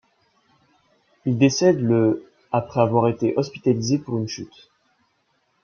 Il décède le après avoir été hospitalisé pour une chute.